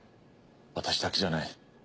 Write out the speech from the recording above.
私だけじゃない。